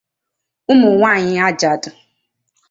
ụmụnwaanyị ajadụ